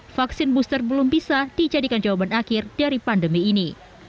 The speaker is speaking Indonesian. vaksin booster belum bisa dijadikan jawaban akhir dari pandemi ini